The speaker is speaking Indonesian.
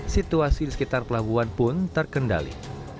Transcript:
situasi di sekitar pelabuhan pun terkendali